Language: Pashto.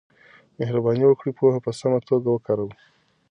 مهرباني وکړئ پوهه په سمه توګه وکاروئ.